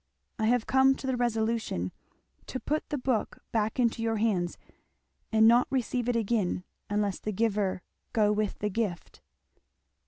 I have come to the resolution to put the book back into your hands and not receive it again, unless the giver go with the gift."